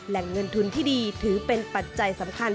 แหล่งเงินทุนที่ดีถือเป็นปัจจัยสำคัญ